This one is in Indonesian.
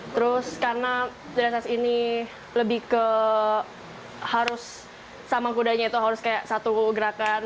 terus karena dressis ini lebih ke harus sama kudanya itu harus kayak satu gerakan